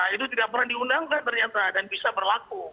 itu tidak pernah diundangkan ternyata dan bisa berlaku